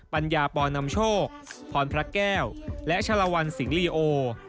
ปัญญาปอนำโชคพรพระแก้วและชะละวันสิงหลีโอ